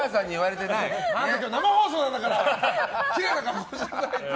あなた今日、生放送なんだからきれいな格好しなさいと。